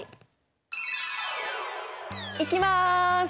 いきます！